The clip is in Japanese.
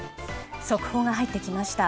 速報が入ってきました。